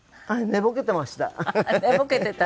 ああ寝ぼけてました。